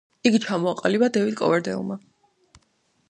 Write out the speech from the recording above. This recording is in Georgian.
იგი ჩამოაყალიბა დევიდ კოვერდეილმა.